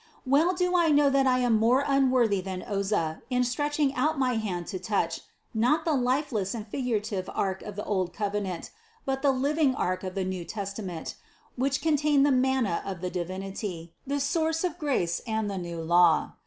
Well do I know that I am more unworthy than Oza in stretching out ray hand to touch, not the lifeless and fig urative ark of the old covenant, but the living Ark of the New Testament, which contained the manna of the Di vinity, the source of grace and the New Law.